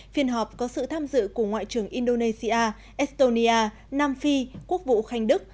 phiên họp có sự tham dự của ngoại trưởng indonesia estonia nam phi quốc vụ khanh đức